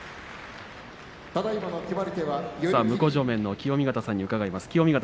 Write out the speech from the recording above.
向正面の清見潟さんに伺います。